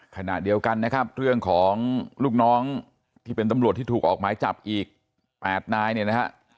ขณะเดียวกันนะครับเรื่องของลูกน้องที่เป็นตำรวจที่ถูกออกหมายจับอีก๘นายเนี่ยนะฮะ